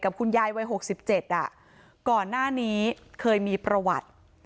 กับคุณยายวัยหกสิบเจ็ดอ่ะก่อนหน้านี้เคยมีประวัติ